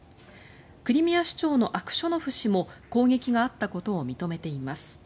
クリミア首長のアクショノフ氏も攻撃があったことを認めています。